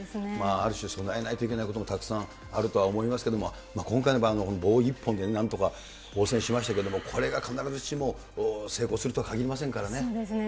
ある種備えないといけないこともたくさんあるとは思いますけれども、今回の場合、棒一本でなんとか応戦しましたけれども、これが必ずしも成功するそうですね。